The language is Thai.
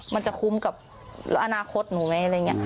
มันจะคุ้มกับอนาคตหนูไหมอะไรอย่างนี้